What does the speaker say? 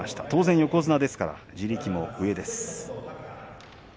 当然横綱ですからは地力が上です。